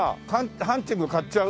ハンチング買っちゃう。